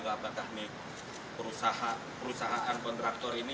apakah perusahaan kontraktor ini